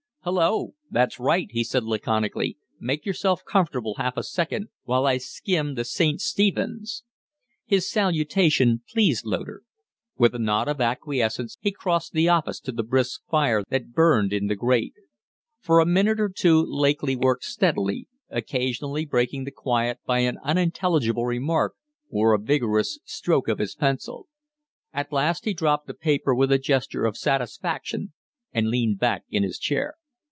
"Hullo! That's right," he said, laconically. "Make yourself comfortable half a second, while I skim the 'St. Stephen's'." His salutation pleased Loder. With a nod of acquiescence he crossed the office to the brisk fire that burned in, the grate. For a minute or two Lakely worked steadily, occasionally breaking the quiet by an unintelligible remark or a vigorous stroke of his pencil. At last he dropped the paper with a gesture of satisfaction and leaned back in his chair.